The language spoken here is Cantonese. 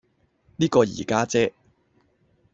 呢個二家姐